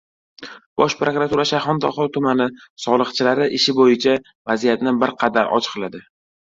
Bosh prokuratura Shayxontohur tumani soliqchilari ishi bo‘yicha vaziyatni bir qadar ochiqladi